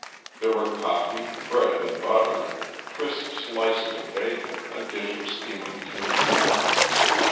There were coffee, bread and butter, crisp slices of bacon, a dish of steaming tinned corn.